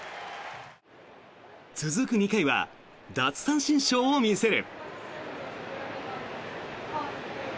続く２回は奪三振ショーを見せる。